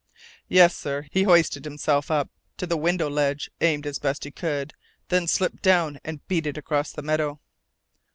Yes, sir, he hoisted himself up to the window ledge, aimed as best he could, then slipped down and beat it across the meadow."